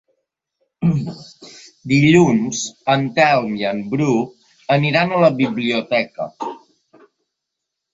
Dilluns en Telm i en Bru aniran a la biblioteca.